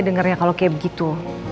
dengernya kalo kayak begitu